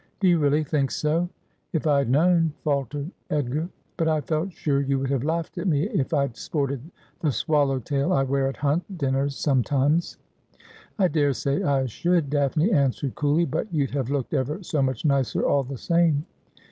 ' Do you really think so ? If I'd known —' faltered Edgar. ' But I felt sure you would have laughed at me if I'd sported the swallow tail I wear at hunt dinners sometimes.' ' I daresay I should,' Daphne answered coolly ;' but you'd have looked ever so much nicer all the same.'